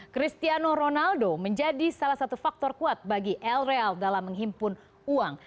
cristiano ronaldo menjadi salah satu faktor kuat bagi el real dalam menghimpun uang